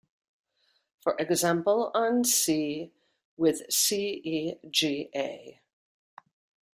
For example on C with C-E-G-A.